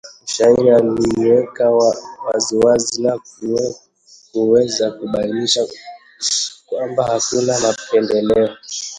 mshairi ameliweka waziwazi na kuweza kubainisha kwamba hakuna mapendeleo